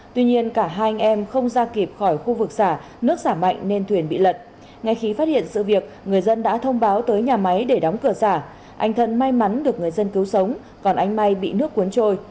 tuy nhiên cả hai anh em không ra kịp khỏi khu vực xả nước giảm mạnh nên thuyền bị lật ngay khi phát hiện sự việc người dân đã thông báo tới nhà máy để đóng cửa xả anh thân may mắn được người dân cứu sống còn anh may bị nước cuốn trôi